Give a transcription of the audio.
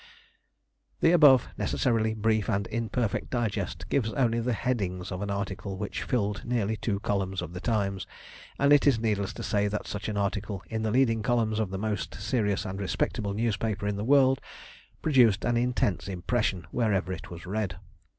The above necessarily brief and imperfect digest gives only the headings of an article which filled nearly two columns of the Times, and it is needless to say that such an article in the leading columns of the most serious and respectable newspaper in the world produced an intense impression wherever it was read.